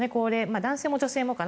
男性も女性もかな。